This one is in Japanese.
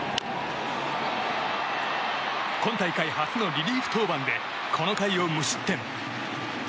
今大会初のリリーフ登板でこの回を無失点。